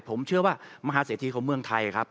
ผมเชื่อว่ามหาเศรษฐีของเมืองไทยครับ